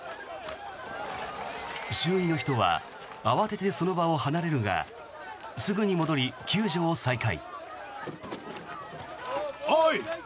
周囲の人は慌ててその場を離れるがすぐに戻り、救助を再開。